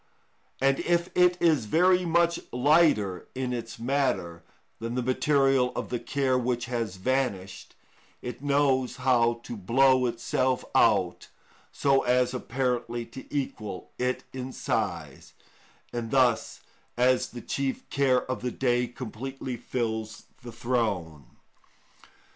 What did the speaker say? And if it is very much lighter in its matter than the material of the care which has vanished, it knows how to blow itself out so as apparently to equal it in size, and thus, as the chief care of the day, completely fills the throne.